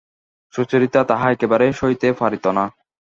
সুচরিতা তাহা একেবারেই সহিতে পারিত না।